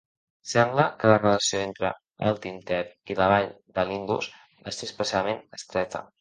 Sembla que la relació entre Altin Tep i la vall de l'Indus va ser especialment estreta.